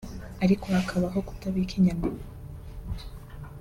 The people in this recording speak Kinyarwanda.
ariko hakabaho kutabika inyandiko